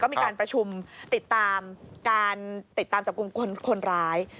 ก็มีการประชุมติดตามจับกลุ่มคนร้าย